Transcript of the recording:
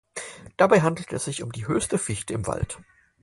Dabei handelt es sich um die höchste Fichte im Wald.